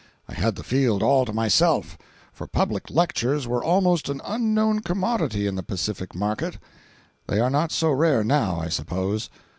I had the field all to myself, for public lectures were almost an unknown commodity in the Pacific market. They are not so rare, now, I suppose.